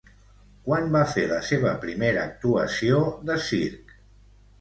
Quan va fer la seva primera actuació de circ?